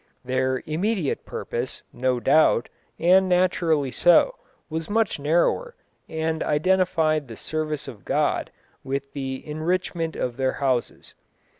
Their immediate purpose, no doubt, and naturally so, was much narrower, and identified the service of God with the enrichment of their houses.